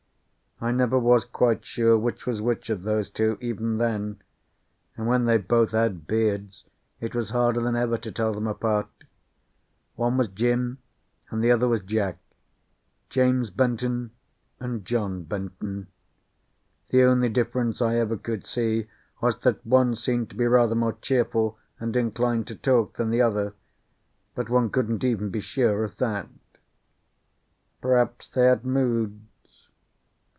I never was quite sure which was which of those two, even then; and when they both had beards it was harder than ever to tell them apart. One was Jim, and the other was Jack; James Benton and John Benton. The only difference I ever could see was, that one seemed to be rather more cheerful and inclined to talk than the other; but one couldn't even be sure of that. Perhaps they had moods.